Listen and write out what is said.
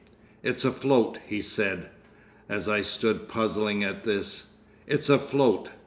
"It's afloat," he said, as I stood puzzling at this. "It's afloat.